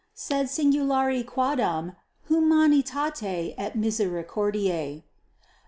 sed singulari quadam humanitate et misericordia.